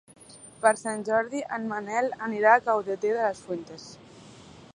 Per Sant Jordi en Manel anirà a Caudete de las Fuentes.